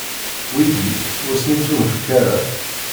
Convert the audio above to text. Wigi, ur sen-ittunefk ara.